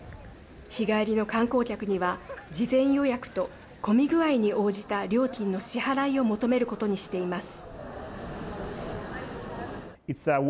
日帰りの観光客には事前予約と混み具合に応じた料金の支払いを求めることにしています。